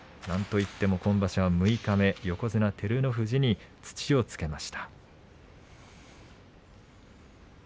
なんといっても今場所は六日目横綱照ノ富士に土をつけました。